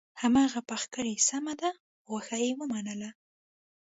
هماغه پخې کړه سمه ده خوښه یې ومنله.